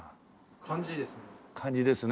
感じいいですね。